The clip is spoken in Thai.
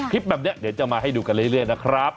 คลิปแบบนี้เดี๋ยวจะมาให้ดูกันเรื่อยนะครับ